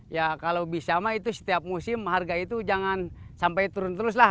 ya kalau bisa mah itu setiap musim harga itu jangan sampai turun terus lah